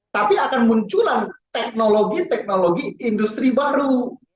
tapi akan munculan teknologi teknologi industri baru